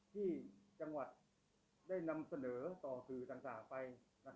ที่จังหวัดได้นำเสนอต่อสื่อต่างไป